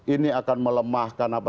ini akan melemahkan apa